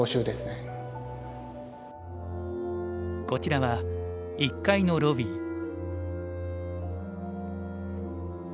こちらは１階のロビー。